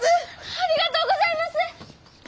ありがとうございます！